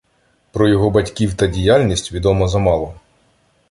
Про його батьків та діяльність відомо замало.